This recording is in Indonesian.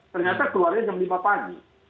ternyata keluarnya jam lima pagi